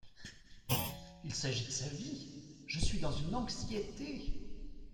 Il s’agit de sa vie… je suis dans une anxiété…